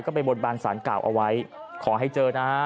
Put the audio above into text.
ก็ไปบนบันศาลเก่าเอาไว้ขอให้เจอนะครับ